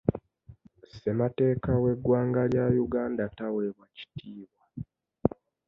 Ssemateeka w'eggwanga lya Uganda taweebwa kitiibwa.